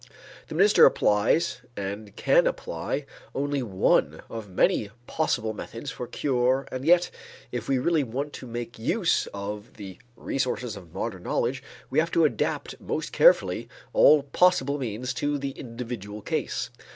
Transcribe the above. The minister applies and can apply only one of many possible methods for cure and yet, if we really want to make use of the resources of modern knowledge, we have to adapt most carefully all possible means to the individual case.